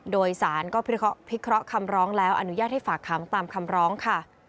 โดยสารก็พิเคราะห์คำร้องแล้วอนุญาตให้ฝากขังตามคำร้องค่ะ